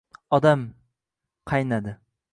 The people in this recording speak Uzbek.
Odam.. qaynadi!